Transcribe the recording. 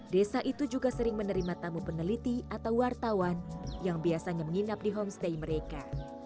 desa itu juga sering menerima tamu peneliti atau wartawan yang biasanya menginap di homestay mereka